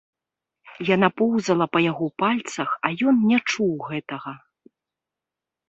Яна поўзала па яго пальцах, а ён не чуў гэтага.